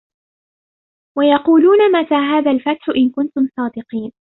وَيَقولونَ مَتى هذَا الفَتحُ إِن كُنتُم صادِقينَ